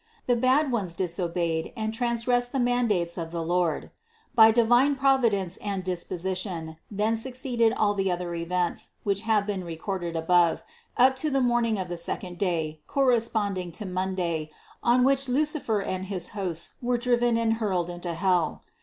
The bad ones disobeyed and transgressed the mandates of the Lord. By divine providence and disposition then suc ceeded all the other events, which have been recorded above, up to the morning of the second day, correspond ing to Monday, on which Lucifer and his hosts were driven and hurled into hell.